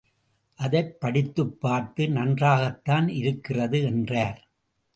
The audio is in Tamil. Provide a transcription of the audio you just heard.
அதைப் படித்துப் பார்த்து, நன்றாகத்தான் இருக்கிறது என்றார்.